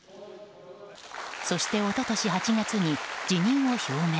そしておととし８月に辞任を表明。